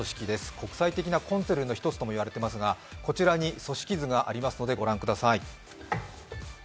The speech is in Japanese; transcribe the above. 国際的なコンツェルンの１つとも言われていますがこちらに組織図がありますので御覧ください。